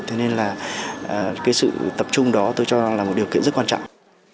thế nên là cái sự tập trung đó tôi cho là một điều kiện rất quan trọng